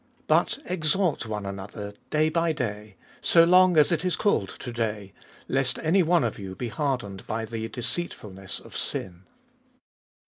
But exhort one another day by day, so long as it is called to day, lest any one of you be hardened by the deceitfulness of sin.